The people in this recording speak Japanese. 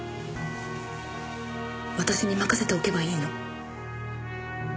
私に任せておけばいいの。